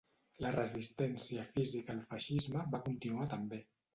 La resistència física al feixisme va continuar també.